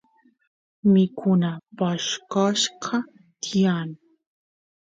mikuna poshqoshqa tiyan